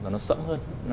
nó sẫm hơn